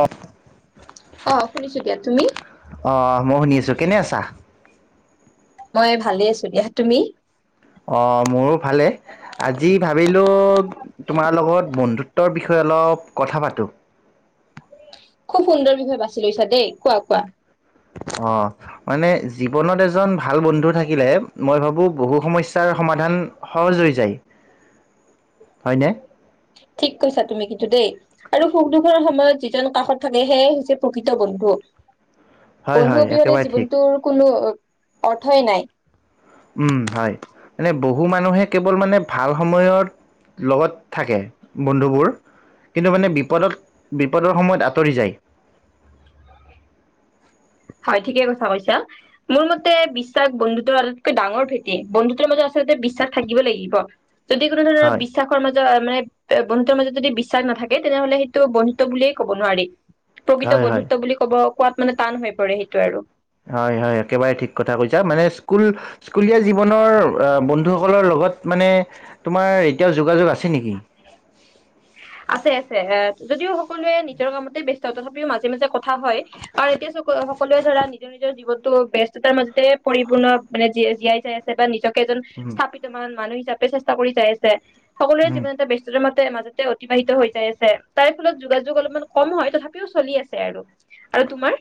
আহ অ শুনিছো দিয়া তুমি আহ মই শুনি আছো কেনে আছা মই ভালে আছো দিয়া তুমি? অ মোৰো ভালেই। আজি ভাবিলো। তোমাৰ লগত বন্ধুত্বৰ বিষয়ে অলপ কথা পাতো খুব সুন্দৰ বিষয়ে বাছি লৈছা দেই কোৱা কোৱা অ মানে জীৱনত এজন ভাল বন্ধু থাকিলে মই ভাবো বহু সমস্যাৰ সমাধান সহজ হৈ যায় হয়নে ঠিক কৈছা তুমি কিন্তু দেই আৰু সুখ দুখৰ সময়ত যিজন কাষত থাকে সেয়াই হৈছে প্ৰকৃত বন্ধু হয় বন্ধু হয় অবিহনে একেবাৰে ঠিক। জীৱনটোৰ কোনো অৰ্থই নাই। উম হয় মানে বহু মানুহে কেৱল মানে ভাল সময়ত লগত থাকে বন্ধুবোৰ কিন্তু মানে বিপদত বিপদৰ সময়ত আঁতৰি যায় হয় ঠিকে কথা কৈছা মোৰ মতে বিশ্বাস বন্ধুতৰ আটাইতকৈ ডাঙৰ ভেটি বন্ধুতৰ মাজত আচলতে বিশ্বাস থাকিব লাগিব যদি কোনো ধৰণৰ হয় বিশ্বাসৰ মাজ মানে বন্ধুৰ মাজত যদি বিশ্বাস নাথাকে তেনেহলে সেইটো বন্ধুত বুলিয়েই ক'ব নোৱাৰি প্ৰকৃত হয় হয়। বন্ধুত্ব বুলি ক'ব। কোৱাত মানে টান হয় কৰে সেইটো আৰু হয় হয় একেবাৰে ঠিক কৰা কৈছা মানে স্কুল স্কুলিয়া জীৱনৰ বন্ধু সকলৰ লগত মানে তোমাৰ এতিয়াও যোগাযোগ আছেনেকি আছে আছে, এ যদিও সকলোৱে নিজৰ কামতে ব্যস্ত তথাপিও মাজে মাজে কথা হয় আৰু এতিয়া চ সকলোৱে ধৰা নিজৰ নিজৰ জীৱনতো ব ব্যস্ততাৰ মাজতে পৰিপূৰ্ণ মানে জ জীয়াই যাই আছে বা নিজক এজন উম স্থাপিত মান মানুহ হিচাপে চেষ্টা কৰি চাই আছে। সকলোৰে উম, জীৱনতে ব্যস্ততাৰ মাজত। মাজতে। অতিবাহিত হৈ যাই আছে তাৰ ফলত যোগাযোগ অলপমান কম হয় তথাপিও চলি আছে আৰু আৰু তোমাৰ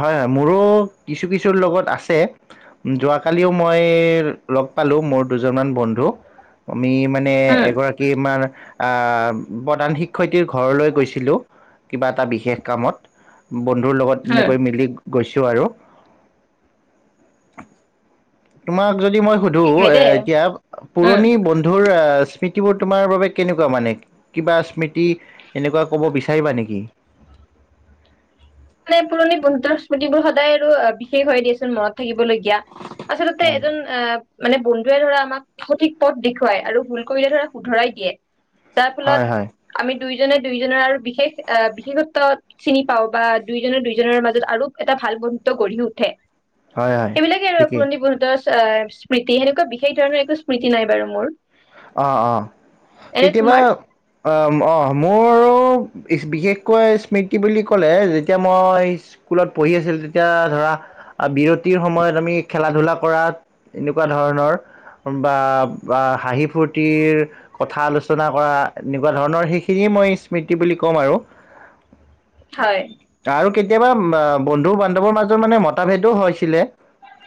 হয় হয় মোৰো কিছু কিছুৰ লগত আছে যোৱাকালিও মই লগ পালো মোৰ দুজনমান বন্ধু আমি মানে উম এগৰাকী আমাৰ। প্ৰধান শিক্ষয়ত্ৰীৰ ঘৰলৈ গৈছিলো কিবা এটা বিশেষ কামত বন্ধু লগত উম এনেকৈ মিলি। গৈছো আৰু। তোমাক। যদি মই সুধো ঠিকেই এ দেই এতিয়া উম পুৰণি বন্ধুৰ স্মৃতিবোৰ তোমাৰ বাবে কেনেকুৱা মানে কিবা স্মৃতি এনেকুৱা ক'ব বিচাৰিবা নেকি মানে পুৰণি বন্ধু স্মৃতিবোৰ সদায় আৰু বিশেষ হয় দিয়েচোন মনত থাকিবলগীয়া আচলতে হয় এজন মানে টোৱে ধৰা, আমাক সঠিক পথ দেখুৱাই আৰু ভুল কৰিলে ধৰা শুধৰাই দিয়ে। যাৰ ফলত, হয় হয় আমি দুইজনে দুইজনৰ আৰু বিশেষ অ, বিশেষত্ব চিনি পাওঁ বা দুইজনৰ দুইজনৰ মাজত আৰু এটা ভাল বন্ধু গঢ়ি উঠে। হয় হয় সেইবিলাকে আৰু ঠিকেই পুৰণি বহুত অ স্মৃতি সেনেকুৱা বিশেষ ধৰণৰ একো স্মৃতি নাই বাৰু মোৰ। অ অ, এনে কেতিয়াবা তোমাৰ আহ। অ মোৰো বিশেষকৈ স্মৃতি বুলি কলে যেতিয়া মই স্কুলত পঢ়ি আছিলো, তেতিয়া ধৰা বিৰতিৰ সময়ত আমি খেলা ধূলা কৰাত এনেকুৱা ধৰণৰ বা হাঁহি ফূৰ্তিৰ কথা আলোচনা কৰা, এনেকুৱা ধৰণৰ সেইখিনিয়ে মই স্মৃতি বুলি কম আৰু হয় আৰু কেতিয়াবা বন্ধুও বান মাজত মানে মতাভেদো হৈছিলে।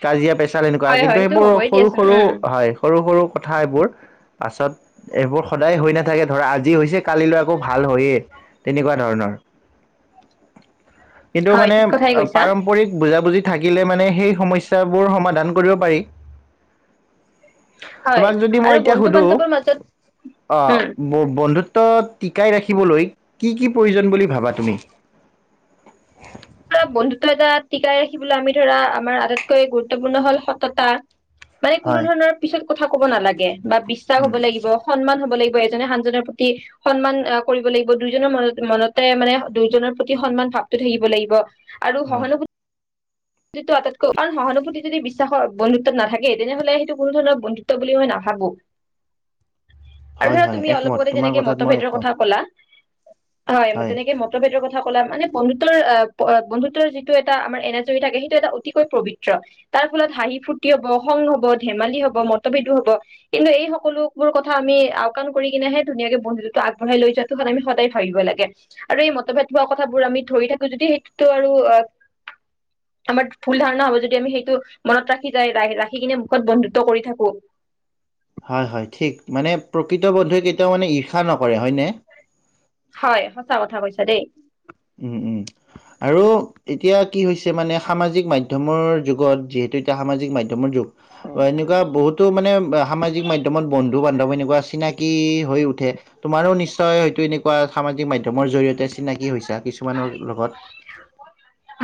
কাজিয়া পেচাল এনেকুৱা হয় কিন্তু হয় সেইটো এইবোৰ হ'বই সৰু দিয়াচোন সৰু উম হয়, সৰু সৰু কথা এইবোৰ। পাছত এইবোৰ সদায় হৈ নাথাকে ধৰা আজি হৈছে কালিলৈ আকৌ ভাল হয়েই, তেনেকুৱা ধৰণৰ। কিন্তু হয় মানে ঠিক কথাই কৈছা পাৰম্পৰিক বুজাবুজি থাকিলে মানে সেই সমস্যাবোৰ সমাধান কৰিব পাৰি। হয় তোমাক যদি মই আৰু এতিয়া বন্ধু সুধো, বান্ধৱৰ মাজত অ উম ব বন্ধুত্ব ত টীকাই ৰাখিবলৈ কি কি প্ৰয়োজন বুলি ভাবা তুমি? ধৰা বন্ধুত্ব এটা টিকাই ৰাখিবলৈ আমি ধৰা আমাৰ আটাইতকৈ গুৰুত্বপূৰ্ণ হল সততা মানে কোনো হয়, ধৰণৰ পিছত কথা ক'ব নালাগে বা বিশ্বাস উম। হব লাগি, ব সন্মান হ'ব লাগিব এজনে আনজনৰ প্ৰতি সন্মান আহ কৰিব লাগিব, দুইজনৰ মন মনতে মানে দুইজনৰ প্ৰতি সন্মান ভাৱটো থাকিব লাগিব। আৰু হয়, সহানুভূতি আটাইতকৈ কাৰণ সহানুভূতি যদি বিশ্বাসৰ বন্ধুত্বত নাথাকে, তেনেহলে সেইটো কোনো ধৰণৰ বন্ধুত্ব বুলি মই নাভাবোঁ। আৰু হয়, ধৰা হয় তুমি একমত অলপতে তোমাৰ যেনেকে কথাত মই মতভেদৰ একমত কথা কলা হয় তেনেকে মতভেদৰ কথা কথা কলা মানে বন্ধুতৰ অ অ বন্ধুত্বৰ যিটো এটা আমাৰ এনাজৰি থাকে, সেইটো এটা অতিকৈ পবিত্ৰ। তাৰ ফলত হাঁহি ফূৰ্তি হব, খং হব ধেমালি হব, মতভেদো হব কিন্তু এই সকলোবোৰ কথা আমি আওকাণ কৰি কিনেহে ধুনীয়াকে বন্ধুত্বটো আগবঢ়াই লৈ যোৱাাটো আমি সদায় ভাবিব লাগে আৰু এই মতভেদ হোৱা কথাবোৰ আমি ধৰি থাকো যদি তটো আৰু অ, আমাৰ ভুল ধাৰণা হ'ব যদি আমি সেইটো মনত ৰাখি যাই ৰা ৰাখি কিনে মুখত বন্ধুত্ব কৰি থাকো। হয় হয় ঠিক, মানে প্ৰকৃত বন্ধুৱে কেতিয়াও মানে ঈৰ্ষা নকৰে হয়নে? হয় সঁচা কথা কৈছা দেই। উম উম, আৰু এতিয়া কি হৈছে মানে সামাজিক মাধ্যমৰ যুগত যিহেতু এতিয়া সামাজিক মাধ্যমৰ যুগ বা এনেকুৱা বহুতো মানে সামাজিক মাধ্যমত বন্ধু দু বান্ধৱী এনেকুৱা চিনাকি হৈ উঠে, তোমাৰো নিশ্চয় হয়টো এনেকুৱা সামাজিক মাধ্যমৰ জৰিয়তে চিনাকি হৈছা। কিছুমানৰ লগত।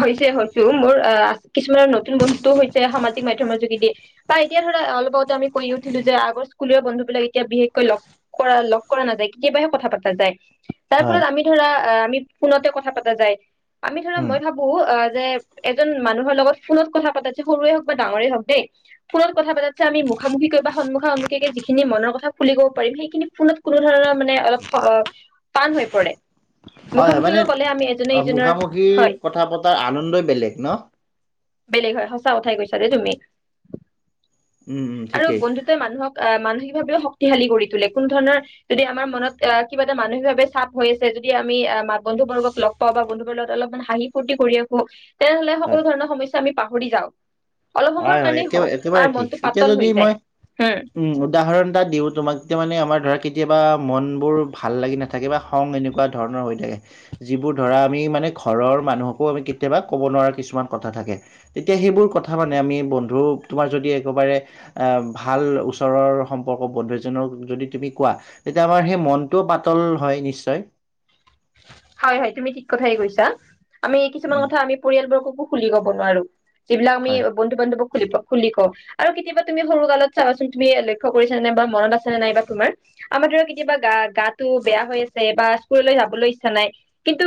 হৈছে, হৈছো মোৰ আ কিছুমান নতুন বন্ধুত্বও হৈছে সামাজিক মাধ্যমৰ যোগেদি। বা এতিয়া ধৰা অলপো আমি কো যে আগৰ স্কুলীয়া বন্ধু বিলাক এতিয়া বিশেষকৈ লগ কৰা লগ কৰা নাযায় কেতিয়াবাহে কথা পতা যায় তাৰ ফলত হয় আমি ধৰা অহ আমি ফোনতে ক কথা পতা যায় আমি ধৰা উম মই ভাবো অ যে এজন মানুহৰ লগত ফোনত কথা পাতাছে সৰুৱে হওক বা ডাঙৰেই হওঁক দেই ফোনত কথা পাতাছে আমি মুখাম মুখি কৈ বা সনমূখা সন্মুখীে যিখিনি মনৰ কথা খুলি কব পাৰিম সেইখিনি ফোনত কোনো ধৰণৰ মানে অলপ পান হৈ পৰে হয় হয় মুখামুখি মানে অ মুখামুখিৰ কথা পতাৰ আনন্দই বেলেগ ন বেলেগ হয় সঁচা কথাই কৈছা দেই তুমি উম উম আৰু ঠিকেই বন্ধুত মানুহক আহ মানসিক ভাৱও শক্তিশালী কৰি তোলে কোনো ধৰণৰ যদি আমাৰ মনত আহ কিবা এটা মানসিকভাৱে চাপ হৈ আছে যদি আমি বন্ধু বৰ্গক লগ পাওঁ বা বন্ধুবৰ্গ লগত অলপমান হাঁহি ফূুৰ্তি কৰি ৰাখো তেনেহলে সকলো হয় ধৰণৰ সমস্যা আমি পাহৰি যাওঁ অলপ সময়ৰ হয় হয় কাৰণেই একেব হওক একেবাৰে আমাৰ ঠিক মনটো এতিয়া পাতল যদি হৈ যায় মই হম উম উদাহৰণ এটা দিওঁ তোমাক এতিয়া মানে আমাৰ ধৰা কেতিয়াবা মন বোৰ ভাল লাগি নাথাকে বা খং এনেকুৱা ধৰণৰ হৈ থাকে যিবোৰ ধৰা আমি মানে ঘৰৰ মানুহকো আমি কেতিয়াবা ক'ব নোৱাৰা কিছুমান কথা থাকে তেতিয়া সেইবোৰ কথা কথা মানে আমি বন্ধু তোমাৰ যদি একেবাৰে ভাল ওচৰৰ সম্পৰ্ক বন্ধু এজক যদি তুমি কোৱা তেতিয়া আমাৰ সেই মনটোও পাতল হয় নিশ্চয় হয় হয় তুমি ঠিক কথাই কৈছা আমি এই কিছুমান উম, কথা আমি পৰিয়ালবৰ্গকো খুলি ক'ব নোৱাৰো যিবিলাক আমি হয়, বন্ধু বান্ধৱক খ খুলি ক আৰু কেতিয়াবা তুমি সৰু কালত চাবাচোন তুমি লক্ষ্য কৰিছ নে নাই বা মনত আছেনে নাই বা তুমাৰ আমাৰ ধৰাক কেতিয়াবা গাটো বেয়া হৈ আছে বা স্কুললৈ যাবলৈ নাই কিন্তু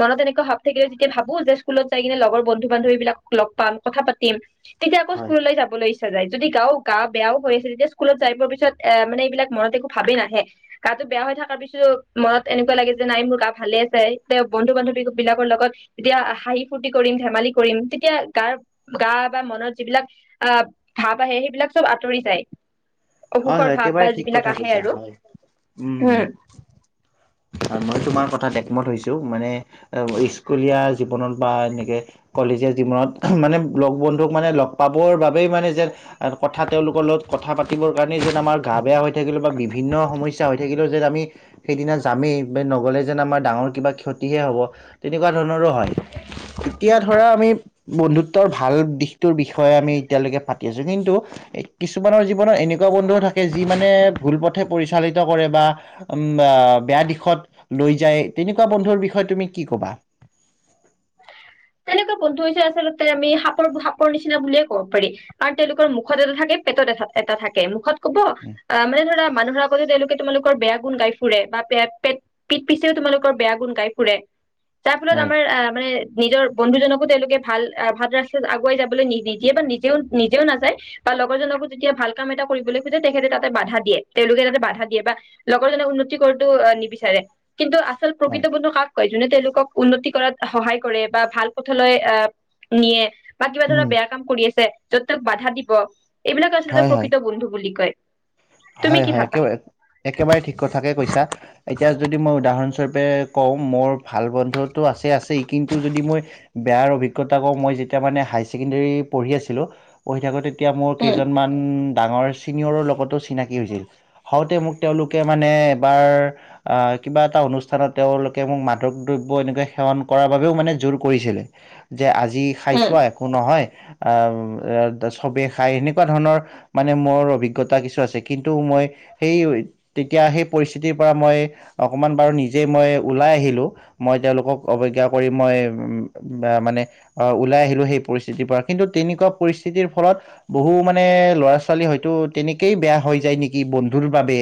মনত এনেকুৱা ভাৱ থাকিলে যেতিয়া ভাবো যে স্কুলত যাই কিনে লগৰ বন্ধু বান্ধৱী বিলাকক লগ পাম কথা পাতিম তেতিয়া আকৌ হয়, স্কুললৈ যাব লাগিছে য যদি গাও গা বেয়াও হৈ আছে তেতিয়া স্কুলত যাই পৰ পিছত এ মানে এইবিলাক মনত একো ভাবেই নাহে গাটো বেয়া হৈ থকাৰ পিছত মনত এনেকুৱা লাগে যে নাই মোৰা ভালে চাই তেওঁ বন্ধু বান্ধৱী বিলাকৰ লগত যেতিয়া হাঁহি ফূুৰ্তি কৰিম ধেমালি কৰিম তেতিয়া গাৰ গা বা মনত যিবিলাক আহ ভাৱ আহে সেইবিলাক চব আঁতৰি যায় হয়, অসুখৰ হয় ভাব বা একেবাৰে ঠিক যিবিলাক কথা আহে কৈছা আৰু হয়, উম। হম মই তোমাৰ কথাত একমত হৈছো মানে স্কুলীয়া জীৱনত বা এনেকে কলেজীয়া জীৱনত মানে লগ বন্ধুক মানে লগ পাবৰ বাবে সেই মানে যে কথা তেওঁলোকৰ লগত কথা পাতিব যেন আমাৰ গা বেয়া হৈ থাকিলে বা বিভিন্ন সমস্যা হৈ থাকিলেও যেন আমি সেইদিনা যামেই বা নগলে যেন আমাৰ ডাঙৰ কিবা ক্ষতিহে হব তেনেকুৱা ধৰণৰো হয় এতিয়া ধৰা আমি বন্ধুত্বৰ ভাল দিশ টোৰ বিষয়ে আমি এতিয়ালৈকে পাতি আছোঁ কিন্তু কিছুমানৰ জীৱনত এনে। বন্ধুও থাকে যি মানে ভুল পথে পৰিচয় চালিত কৰে বা উম বেয়া দিশত লৈ যায় তেনেকুৱা বন্ধুৰ বিষয়ে তুমি কি ক'বা? তেনেকুৱা বন্ধু হৈছে আচলতে আমি সাপৰ, সাপৰ নিচিনা বুলিয়ে ক'ব পাৰি কাৰণ তেওঁলোকৰ মুখত এটা থাকে পেটত এ এটা থাকে মুখত কব মানে ধৰা মানুহক।। বোলে তেওঁলোকে তোমালোকৰ বেয়া গুণ গাই ফুৰে বা পেট পিট পিছেও তোমালোকৰ বেয়া গুণ গাই ফুৰে তাৰ ফলত হয় আমাৰ অহঁ নিজৰ বন্ধুজনকো তেওঁলোকে ভাল ভাল ৰাস্তাত আগুৱাই যাবলৈ নি নিদিয়ে বা নিজেও নিজেও নাযায় বা লগৰজনকো যেতিয়া ভাল কাম এটা কৰিবলৈ খোজে তেখেতে তাতে বাধা দিয়ে তেওঁলোকে তাতে বাধা দিয়ে বা লগৰ জনক উন্নতি কৰাটো নিবিচাৰে কিন্তু আচল হয় প্ৰকৃত বন্ধু কাক কয় যোনে তেওঁলোক উন্নতি কৰা। সহায় কৰে বা ভাল পথলৈ আহ নিয়ে। বা কিবা উম ধৰা বেয়া কাম কৰি আছে। য'ত তক বাধা দিব। এইবিলাক আচলতে হয় হয় প্ৰকৃত বন্ধু বুলি কয়। তুমি হয় কি হয় ভাবা একেবাৰে একেবাৰে ঠিক কথাকে কৈছা এতিয়া যদি মই উদাহৰণ। স্বৰূপে কওঁ মোৰ ভাল বন্ধুতটো আছেই আছেই কিন্তু যদি মই বেয়াৰ অভিজ্ঞতা কওঁ মই যেতিয়া মানে হাইাৰ ছেকেণ্ডেৰী পঢ়ি আছিলো পঢ়ি থাকোঁতে। তেতিয়া মোৰ উম কেইজনমান। ডাঙৰ চিনিয়ৰৰ লগতো। চিনাকি হৈছিল হওঁতে মোক তেওঁলোকে মানে এবাৰ কিবা এটা অনুষ্ঠানত তেওঁলোকে মোক মাদক দ্ৰব্য এনেকুৱা সেৱন কৰাৰ বাবেও মানে জোৰ কৰিছিল।। যে আজি উম খাইছোঁ আৰু একো নহয়।। অ চবেই খাই সেনেকুৱা ধৰণৰ মানে মোৰ অভিজ্ঞতা কিছু আছে। কিন্তু মই সেই তেতিয়া সেই পৰিস্থিতিৰ পৰা মই অকণমান বাৰু নিজে মই ওলাই আহিলোঁ মই তেওঁলোকক অৱজ্ঞা কৰি মই মানে ওলাই আহিলোঁ সেই পৰিস্থিতিৰ পৰা কিন্তু তেনেকুৱা পৰিস্থিতিৰ ফলত বহু মানে ল'ৰা ছোৱালী হয়তো তেনেকেই বেয়া হৈ।। য নেকি বন্ধুৰ বাবে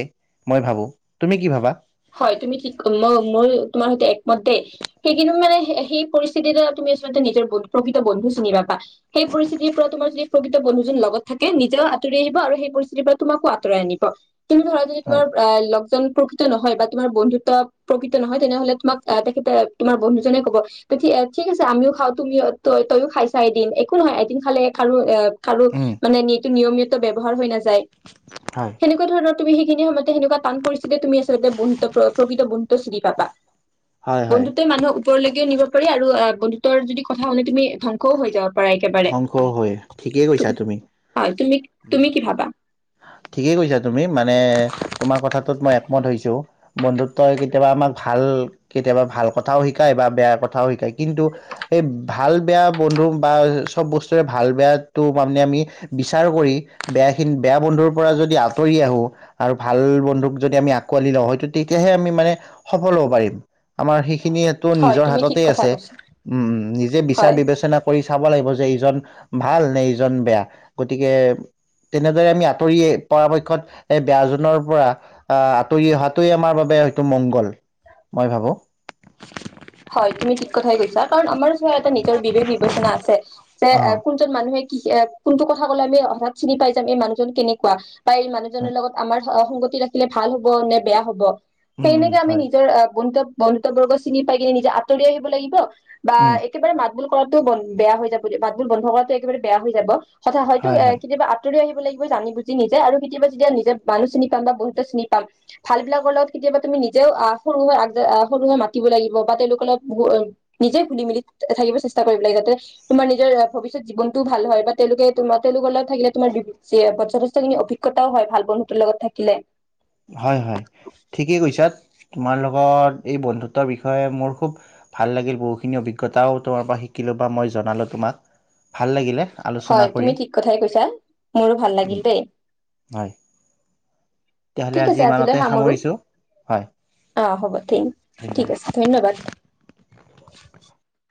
মই ভাবো তুমি কি ভাবা? হয় তুমি ঠিক ম মইয়ো তোমাৰ সৈতে একমত দেই সেইখিনি মানে সেই পৰিস্থিতিৰ দ তুমি আচলতে নিজৰ প্ৰকৃত বন্ধু চিনি নাপা সেই পৰিস্থিতিৰ পৰা তোমাৰ যদি প্ৰকৃত বন্ধুজন লগত থাকে নিজেও আঁতৰি আহিব আৰু সেই পৰিস্থিতিৰ পৰা তোমাকো আঁতৰাই আনিব। তুমি ধৰা যদি হয় তোমাৰ আ লগজন। প্ৰকৃত নহয়। বা তোমাৰ বন্ধুত্ব প্ৰকৃত নহয় তেনেহলে তোমাক তেখেতে তোমাৰ বন্ধুজনে কব ত ঠিক আছে আমিও খাওঁ তুমি ত তইয়ও খাইছা এদিন একো নহয় এদিন খালে খাৰো এ খালো উম, মানে নি নিয়মিত- ব্যহাৰ হৈ নাযায় হয় সেনেকুৱা ধৰণৰ তুম সেইখিন সময়তে সেনেকুৱা টান পৰিস্থিতিৰ তুমি প্ৰকৃত বুন্দতে চিনি পাবা হয় হয় বন্ধুত্বই মানুহ। ওপৰলৈকেও নিব পাৰি আৰু বন্ধুত্বৰ যদি কথা শুনি তুমি ধ্বংসও হৈ যাৱ- ধ্বংস হয় ঠিকেই কৈছা তুমি, হয় তুমি উ তুমি কি ভাবা? ঠিকেই কৈছা তুমি মানে তোমাৰ কথাটোত মই একমত হৈছো। বন্ধুত্বই কেতিয়াবা আমাক ভাল কেতিয়াবা ভাল কথাও শিকায় বা বেয়া কথাও শিকায় কিন্তু, এই ভাল বেয়া বন্ধু বা। সব বস্তুৰে ভাল বেয়াটো মানে আমি বিচাৰ কৰি, বেয়াখিনি বেয়া বন্ধুৰ পৰা যদি আঁতৰি আহো আৰু ভাল বন্ধুক যদি আমি আঁকোৱালি লওঁ হয়টো তেতিয়াহে আমি মানে সফল হ'ব পাৰিম। আমাৰ সেইখিনিটো হয় নিজৰ তুমি ঠিক হাততে কথা আছে, কৈছা উম নিজে বিচাৰ হয়। বিবেচনা কৰি। চাব লাগিব। যে, ইজন ভাল নে ইজন বেয়া। গতিকে তেনেদৰে আমি আঁতৰিয়ে পৰাপক্ষত এই বেয়াজনৰ পৰা আহ আঁতৰি অহটোৱে আমাৰ বাবে হয়তো মংগল মই ভাবো। হয়, তুমি ঠিক কথাই কৈছা কাৰণ আমাৰ ওচৰত এটা নিজৰ বিবেক বিবেচনা আছে। যে অ কোনজন মানুহে। কোনটো কথা কলে আমি হঠাৎ চিনি পাই যাম এই মানুহজন কেনেকুৱা। পাই মানুহজনৰ হয় লগত আমাৰ। সংগতি ৰাখিলে ভাল হব নে বেয়া হব। উম সেইনেকে আমি উম নিজৰ গন্তব্য। বন্ধুত্ব বৰ্গ চিনি। পাই কিনে নিজে আতৰি আহিব লাগিব। বা উম একেবাৰে মাত। মাত বুল কৰাটো ব বেয়া হৈ যাব মাত বুল বন্ধ কৰাটো একেবাৰে বেয়া হৈ যাব। হথা হয়তো হয় এ হয় কেতিাবা আঁতৰি আহিব। জানি বুজি নিজে আৰু কেতিয়াবা যেতিয়া নিজে মানুহ চিনি পাম বা বহুত চিনি পাম ভাল বিলাকৰ লগত কেতিয়াবা তুমি নিজেও আহ, সৰু হৈ আগ সৰু হৈ মাতিব লাগিব। বা তেওঁলোকৰ লগ নিজে খুলি মেলি থাকিব চেষ্টা কৰিব লাগে যাতে তোমাৰ নিজৰ ভৱিষ্যত জীৱনটোও ভাল হয়, বা তেওঁলোকে তোমাৰ তেওঁলোকৰ লগত থাকিলে তোমাৰ যথেষ্টখিনি অভিজ্ঞতাও হয় ভাল বন্ধুত্বৰ লগত থাকিলে। হয় হয়, ঠিকেই কৈছা। তোমাৰ লগত এই বন্ধুত্বৰ বিষয়ে মোৰ খুব ভাল লাগিল, বহুখিনি অভিজ্ঞতাও তোমাৰ পৰা শিকিলোঁ বা মই জনালোঁ তোমাক ভাল লাগিলে। আলোচনা হয় কৰি তুমি ঠিক কথাই কৈছা, মোৰো ভাল লাগিল উম দেই। হয় তেতিয়াহ'লে ঠিক আজি আছে আজিলৈ ইমানতে সামৰো, সামৰিছোঁ হয় আহ হ'ব থিং ধন্যবাদ। ঠিক আছে ধন্যবাদ। [inaudible]